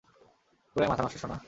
পুরাই মাথা নষ্ট, সোনা।